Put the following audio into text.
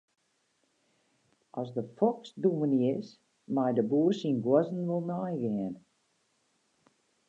As de foks dominy is, mei de boer syn guozzen wol neigean.